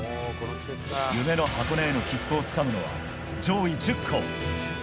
夢の箱根への切符をつかむのは上位１０校。